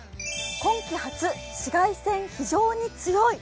今季初、紫外線非常に強い。